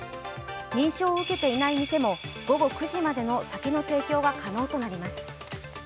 認証を受けていない店も午後９時までの酒の提供が可能となります。